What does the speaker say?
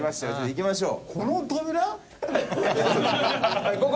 行きましょう。